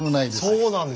そうなんですね。